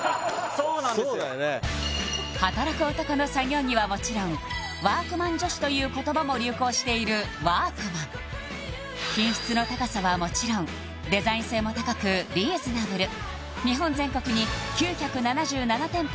そうだよねはもちろん「＃ワークマン女子」という言葉も流行しているワークマン品質の高さはもちろんデザイン性も高くリーズナブル日本全国に９７７店舗